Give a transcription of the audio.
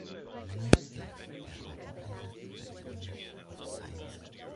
In many states they are organized in Academies of Science.